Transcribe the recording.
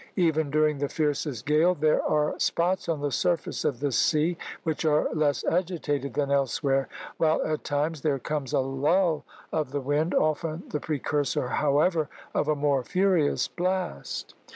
Even during the fiercest gale there are spots on the surface of the sea which are less agitated than elsewhere, while at times there comes a lull of the wind, often the precursor, however, of a more furious blast.